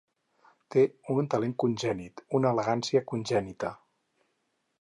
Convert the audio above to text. Té un talent congènit, una elegància congènita.